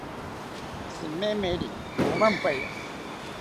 Tzimemeri romampaya